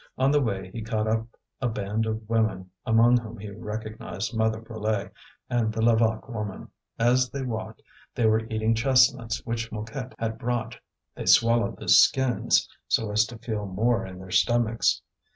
On the way he caught up a band of women among whom he recognized Mother Brulé and the Levaque woman; as they walked they were eating chestnuts which Mouquette had brought; they swallowed the skins so as to feel more in their stomachs.